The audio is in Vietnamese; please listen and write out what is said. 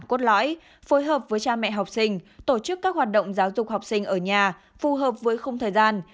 cốt lõi phối hợp với cha mẹ học sinh tổ chức các hoạt động giáo dục học sinh ở nhà phù hợp với không thời gian